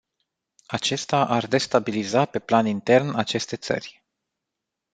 Acesta ar destabiliza pe plan intern aceste țări.